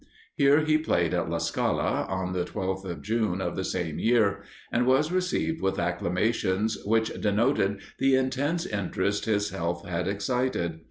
Here he played at La Scala, on the 12th of June of the same year, and was received with acclamations which denoted the intense interest his health had excited.